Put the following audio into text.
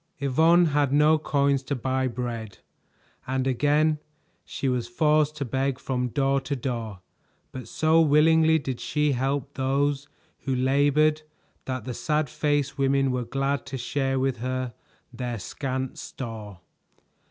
Yvonne had no coins to buy bread, and again she was forced to beg from door to door, but so willingly did she help those who labored that the sad faced women were glad to share with her their scant store.